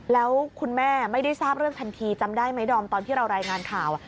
แล้วคุณแม่ไม่ได้ทราบเรื่องทันทีจำได้ไหมดอมตอนที่เรารายงานข่าว